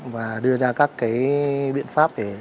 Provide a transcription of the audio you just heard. và đưa ra các biện pháp để xử lý và ngăn chặn